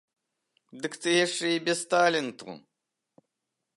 Дык ты яшчэ і без таленту!